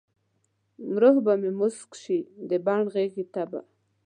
روح به مې موسک شي د بڼ غیږته به ،